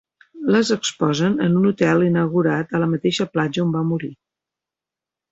«Les exposen en un hotel inaugurat a la mateixa platja on va morir».